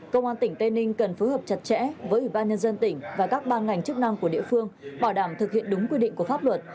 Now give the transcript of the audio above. công an tỉnh tây ninh cần phối hợp chặt chẽ với ủy ban nhân dân tỉnh và các ban ngành chức năng của địa phương bảo đảm thực hiện đúng quy định của pháp luật